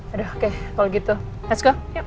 aduh oke kalau gitu let's go